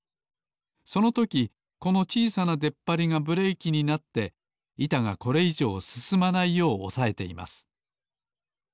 そのときこのちいさなでっぱりがブレーキになっていたがこれいじょうすすまないようおさえています。